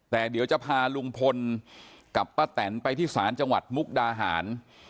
แต่เดี๋ยวจะพาลุงพลกับป้าแตนไปที่ศาลจังหวัดมุกดาหาร